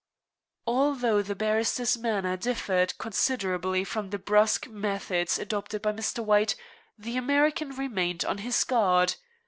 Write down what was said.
Although the barrister's manner differed considerably from the brusque methods adopted by Mr. White, the American remained on his guard.